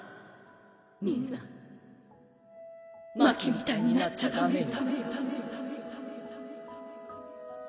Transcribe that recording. みんな真希みたいになっちゃダメよ